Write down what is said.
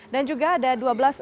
dan juga ada dua belas unit